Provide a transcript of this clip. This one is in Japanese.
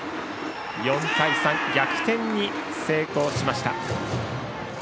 ４対３、逆転に成功しました。